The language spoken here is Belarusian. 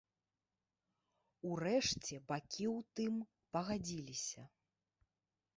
Урэшце бакі ў тым пагадзіліся.